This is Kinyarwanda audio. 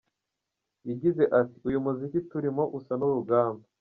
Yagize ati: “Uyu muziki turimo usa n’urugamba.